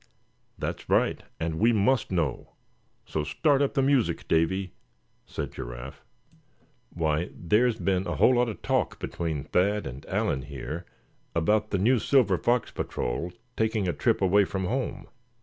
"That's right, and we must know; so start up the music, Davy," said Giraffe. "Why, there's been a whole lot of talk between Thad and Allan here about the new Silver Fox Patrol taking a trip away from home.